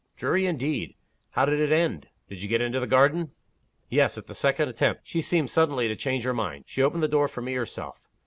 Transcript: "Dreary indeed! How did it end? Did you get into the garden?" "Yes at the second attempt. She seemed suddenly to change her mind; she opened the door for me herself.